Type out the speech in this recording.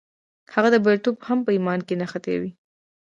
د هغه بریالیتوب هم په ایمان کې نغښتی و